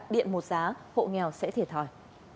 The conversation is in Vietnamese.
điện một giá hộ nghèo sẽ thiệt hỏi